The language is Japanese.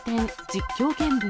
実況見分。